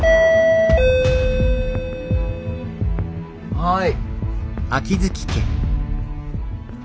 はい。